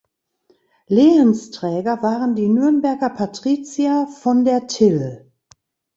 Lehensträger waren die Nürnberger Patrizier von der Till.